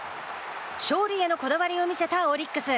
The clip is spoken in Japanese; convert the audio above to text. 勝利へのこだわりを見せたオリックス。